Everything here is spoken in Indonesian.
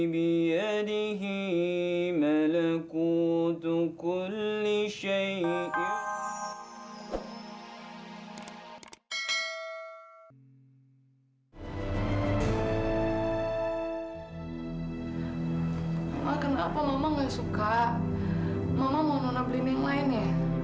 mama cuma mau nona beliin yang lain ya